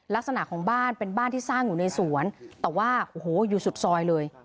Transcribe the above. ลักษณะของบ้านเป็นบ้านที่สร้างอยู่ในสวนแต่ว่าโอ้โหอยู่สุดซอยเลย